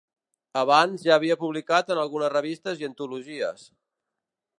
Abans ja havia publicat en algunes revistes i antologies.